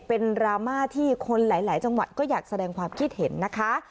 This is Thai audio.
เป็นดราม่าที่คนหลายจังหวัดก็อยากแสดงความคิดเห็นนะคะ